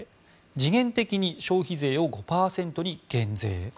時限的に消費税を５％に減税。